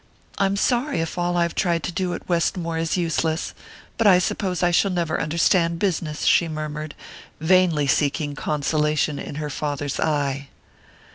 "I'm sorry if all I have tried to do at Westmore is useless but I suppose I shall never understand business," she murmured, vainly seeking consolation in her father's eye.